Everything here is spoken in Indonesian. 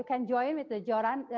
anda bisa bergabung dengan